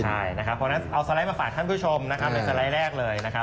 เพราะฉะนั้นเอาสไลด์มาฝากท่านผู้ชมในสไลด์แรกเลย